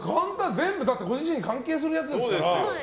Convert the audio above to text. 全部、ご自身に関係するやつですから。